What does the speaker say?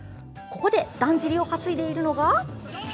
ここでだんじりを担いでいるのが。